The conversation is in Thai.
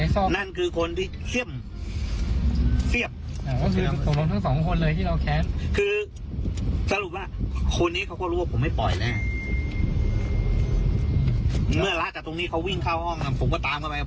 สถานีวิทยาศาสตร์ที่สุริยาชาติ